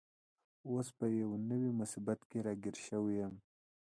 اوس په یوه نوي مصیبت کي راګیر شوی یم.